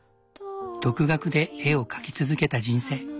独学で絵を描き続けた人生。